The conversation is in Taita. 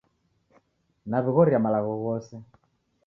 Naw'ighoria malagho ghose